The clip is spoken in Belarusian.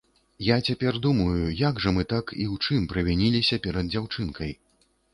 Я цяпер думаю, як жа мы так і ў чым правініліся перад дзяўчынкай?